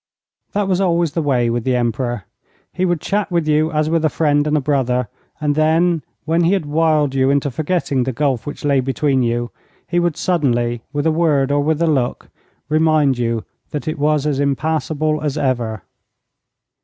That was always the way with the Emperor. He would chat with you as with a friend and a brother, and then when he had wiled you into forgetting the gulf which lay between you, he would suddenly, with a word or with a look, remind you that it was as impassable as ever.